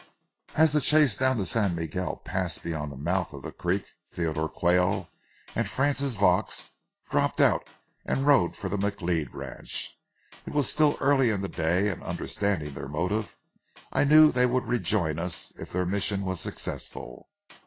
As the chase down the San Miguel passed beyond the mouth of the creek, Theodore Quayle and Frances Vaux dropped out and rode for the McLeod ranch. It was still early in the day, and understanding their motive, I knew they would rejoin us if their mission was successful.